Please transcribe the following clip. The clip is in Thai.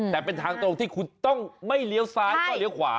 แต่เป็นทางตรงที่คุณต้องไม่เลี้ยวซ้ายก็เลี้ยวขวา